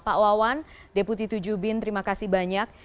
pak wawan deputi tujubin terima kasih banyak